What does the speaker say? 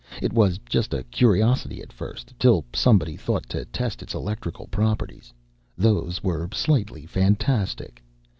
"It was just a curiosity at first, till somebody thought to test its electrical properties. Those were slightly fantastic.